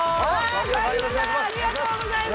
河北さんありがとうございます！